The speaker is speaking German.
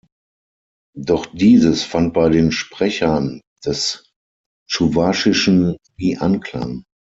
Doch dieses fand bei den Sprechern des Tschuwaschischen nie Anklang.